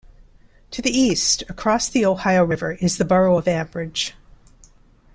To the east, across the Ohio River, is the borough of Ambridge.